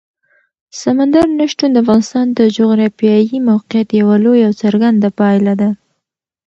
سمندر نه شتون د افغانستان د جغرافیایي موقیعت یوه لویه او څرګنده پایله ده.